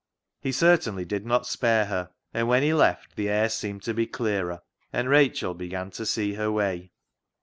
He certainly did not spare her, and when he left, the air seemed to be clearer, and Rachel began to see her way.